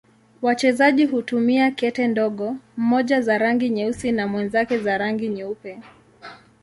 Wachezaji hutumia kete ndogo, mmoja za rangi nyeusi na mwenzake za rangi nyeupe.